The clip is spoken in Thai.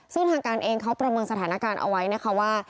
ซึ่งทางการเองเขาประเมินสถานการณ์เอาไว้นะคะว่า